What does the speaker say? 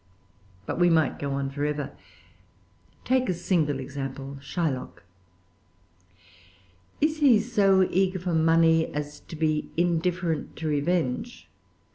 But we might go on forever. Take a single example, Shylock. Is he so eager for money as to be indifferent to revenge?